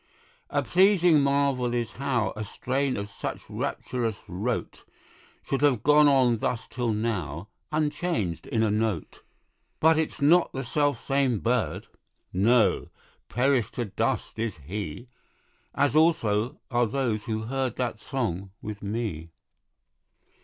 A pleasing marvel is how A strain of such rapturous rote Should have gone on thus till now unchanged in a note! But its not the selfsame bird. No: perished to dust is he.... As also are those who heard That song with me.